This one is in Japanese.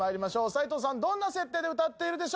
齊藤さんはどんな設定で歌っているでしょう？